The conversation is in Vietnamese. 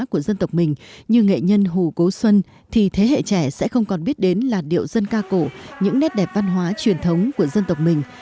những nét đẹp văn hóa truyền thống của dân tộc mình như nghệ nhân hù cố xuân thì thế hệ trẻ sẽ không còn biết đến là điệu dân ca cổ những nét đẹp văn hóa truyền thống của dân tộc mình